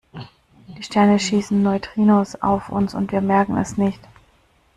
Die Sterne schießen Neutrinos auf uns und wir merken es nicht.